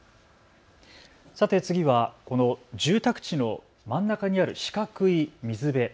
さて次はこの住宅地の真ん中にある四角い水辺。